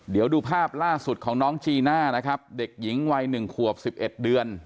เดี๋ยวดูภาพล่าสุดของน้องจีน่านะครับเด็กหญิงวัย๑ขวบ๑๑เดือน